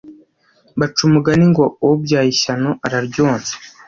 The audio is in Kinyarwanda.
baca umugani ngo ubyaye ishyano araryonsa